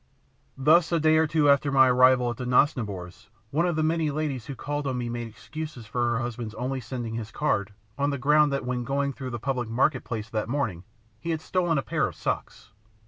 Thus, a day or two after my arrival at the Nosnibors', one of the many ladies who called on me made excuses for her husband's only sending his card, on the ground that when going through the public market place that morning he had stolen a pair of socks.